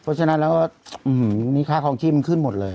เพราะฉะนั้นแล้วนี่ค่าคลองชีพมันขึ้นหมดเลย